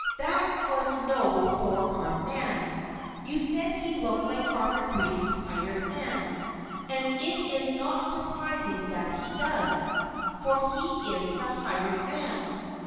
That was no four armed man. You said he looked like Farmer Green's hired man; and it is not surprising that he does, for he is the hired man.